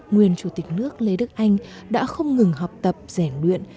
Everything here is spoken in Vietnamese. nguyên chủ tịch nước lê đức anh đã không ngừng học tập rèn luyện